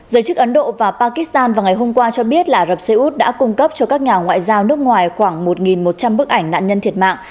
giới chức ấn độ và pakistan vào ngày hôm qua cho biết là rập xê út đã cung cấp cho các nhà ngoại giao nước ngoài khoảng một một trăm linh bức ảnh nạn nhân thiệt mạng